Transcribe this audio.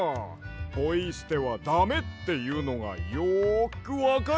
ポイすてはだめっていうのがよくわかるわ。